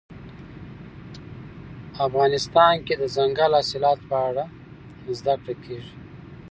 افغانستان کې د دځنګل حاصلات په اړه زده کړه کېږي.